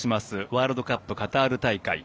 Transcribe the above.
ワールドカップカタール大会